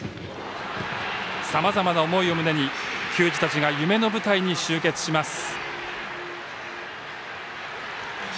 さまざまな思いを胸に球児たちが夢の舞台に集結します。